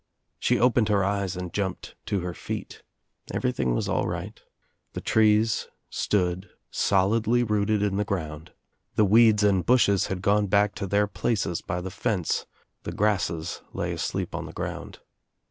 She opened her eyes and jumped to her feet. Everything was all right. The trees stood solidly rooted in the ground, the weeds and bushes had gone back to their places by the fence, the grasses lay asleep on the ground.